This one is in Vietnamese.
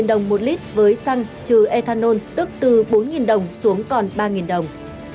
đồng một lít với xăng trừ ethanol tức từ bốn đồng xuống còn ba đồng